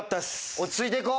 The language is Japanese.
落ち着いて行こう！